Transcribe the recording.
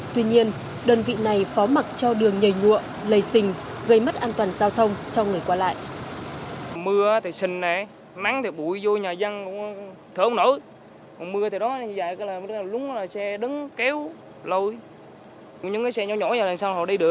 tuy nhiên đơn vị này phó mặt cho đường nhầy nhuộm lầy xình gây mất an toàn giao thông cho người qua lại